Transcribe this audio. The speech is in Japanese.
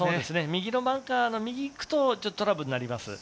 右のバンカーの右に行くとトラブルになります。